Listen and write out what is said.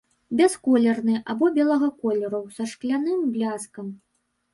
Бясколерны або белага колеру, са шкляным бляскам.